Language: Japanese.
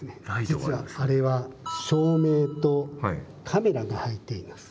実はあれは照明とカメラが入っています。